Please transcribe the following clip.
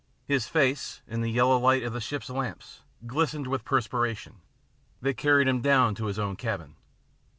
His face, in the yellow light of the ship's lamps, glistened with perspiration. They carried him down to his own cabin.